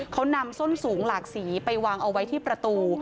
เขานำส้นสูงหลากสีไปวางเอาไว้ที่ประตู